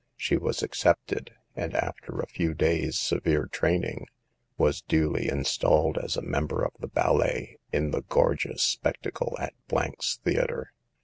She was accepted ; and after a few days severe training was duly installed as a member of the ballet in the gorgeous spec tacle at i — 's Theater.